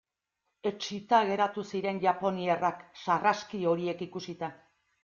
Etsita geratu ziren japoniarrak sarraski horiek ikusita.